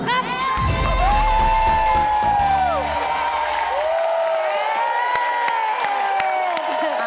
ถูกครับ